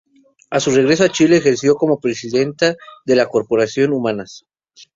A su regreso a Chile ejerció como presidenta de la Corporación Humanas.